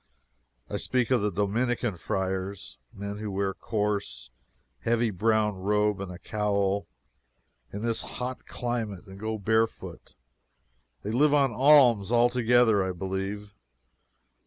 I speak of the Dominican friars men who wear a coarse, heavy brown robe and a cowl, in this hot climate, and go barefoot. They live on alms altogether, I believe.